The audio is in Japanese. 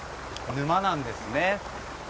沼なんですね。